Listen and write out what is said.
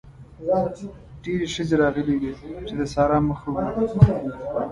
ډېرې ښځې راغلې وې چې د سارا مخ وګوري.